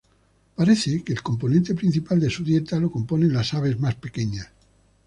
Parece que el componente principal de su dieta lo componen las aves más pequeñas.